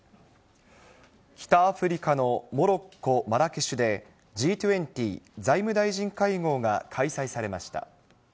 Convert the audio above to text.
北アフリカのモロッコ・マラケシュで、Ｇ２０財務大臣会合が開催されました。